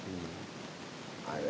nah ini bisa